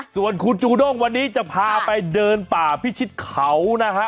ส่วนคุณจูด้งวันนี้จะพาไปเดินป่าพิชิตเขานะฮะ